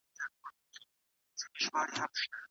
که څوک د شپې ناوخته ډېر خواړه وخوري.